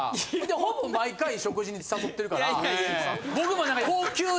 ほぼ毎回食事に誘ってるから僕もなんか。